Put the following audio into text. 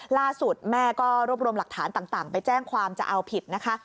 ล่าสุดแม่ก็รวบรวมหลักฐานต่างไปแจ้งความจะเอาผิดนะคะ